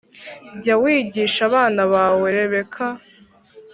Jya wigisha abana bawe Rebeka